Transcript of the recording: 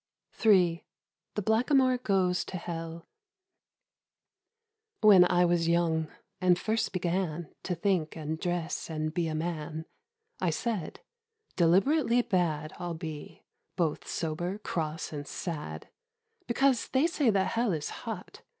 84 EDITH SITWELL. III. THE BLACKAMOOR GOES TO HELL WHEN I was young, and first began To think and dress and be a man, I said :' Deliberately bad I'll be, — both sober, cross and sad, Because they say that Hell is hot.